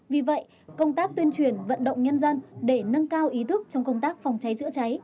vì vậy công tác tuyên truyền vận động nhân dân để nâng cao ý thức trong công tác phòng cháy chữa cháy